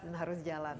dan harus jalan